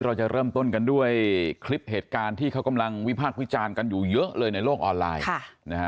เราจะเริ่มต้นกันด้วยคลิปเหตุการณ์ที่เขากำลังวิพากษ์วิจารณ์กันอยู่เยอะเลยในโลกออนไลน์